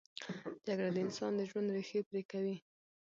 جګړه د انسان د ژوند ریښې پرې کوي